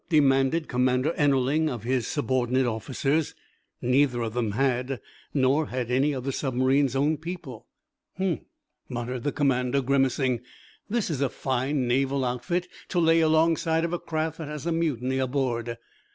demanded Commander Ennerling of his subordinate officers. Neither of them had. Nor had any of the submarine's own people. "Hm!" muttered the commander, grimacing. "This is a fine Naval outfit to lay alongside of a craft that has a mutiny aboard!"